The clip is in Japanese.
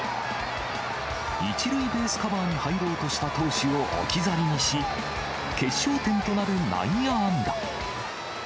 １塁ベースカバーに入ろうとした投手を置き去りにし、決勝点となる内野安打。